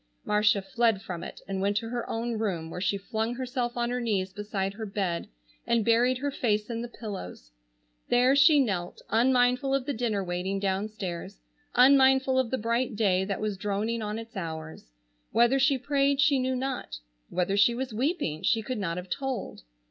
Marcia fled from it and went to her own room, where she flung herself on her knees beside her bed and buried her face in the pillows. There she knelt, unmindful of the dinner waiting downstairs, unmindful of the bright day that was droning on its hours. Whether she prayed she knew not, whether she was weeping she could not have told.